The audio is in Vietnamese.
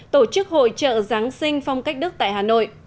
tổ chức hội trợ giáng sinh phong cách đức tại hà nội